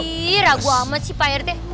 ini ragu amat sih pak rt